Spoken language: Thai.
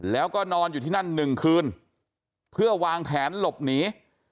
แล้วก็นอนอยู่ที่นั่นหนึ่งคืนเพื่อวางแผนหลบหนี